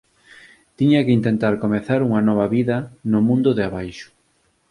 Tiña que intentar comezar unha nova vida no mundo de abaixo.